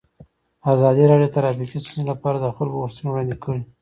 ازادي راډیو د ټرافیکي ستونزې لپاره د خلکو غوښتنې وړاندې کړي.